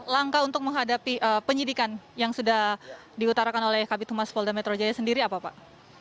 langkah untuk menghadapi penyidikan yang sudah diutarakan oleh kabit humas polda metro jaya sendiri apa pak